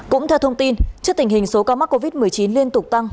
cũng theo thông tin trước tình hình số ca mắc covid một mươi chín liên tục tăng